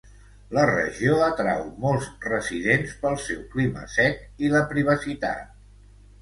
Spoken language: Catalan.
La regió atrau molts residents pel seu clima sec i la privacitat.